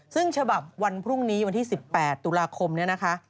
ซึ่งฉบับวันพรุ่งนี้วันที่๑๘ตุลาคมเนี่ยนะคะ